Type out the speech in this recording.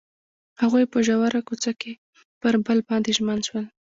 هغوی په ژور کوڅه کې پر بل باندې ژمن شول.